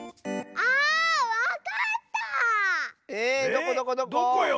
どこどこどこ⁉えどこよ？